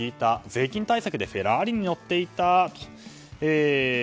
税金対策でフェラーリに乗っていたと。